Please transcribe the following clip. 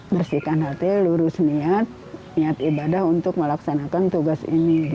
bersihkan hati lurus niat niat ibadah untuk melaksanakan tugas ini